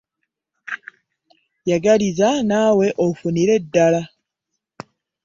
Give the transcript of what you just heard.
yagaliza naawe ofunire ddala.